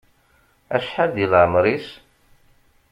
Acḥal deg leɛmer-is?